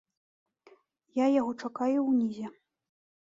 Я яго чакаю ўнізе.